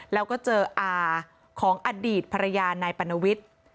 แล้วก็เจออาของอดีตภรรยานายปรณวิทย์